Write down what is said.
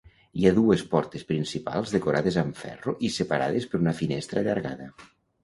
Hi ha dues portes principals decorades amb ferro i separades per una finestra allargada.